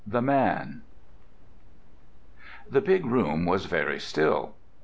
THE MAN The big room was very still.